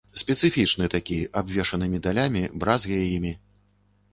Спецыфічны такі, абвешаны медалямі, бразгае імі.